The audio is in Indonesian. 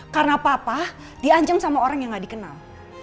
karena papa dianceng sama orang yang gak dikenal